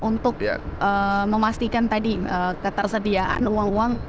untuk memastikan tadi ketersediaan uang uang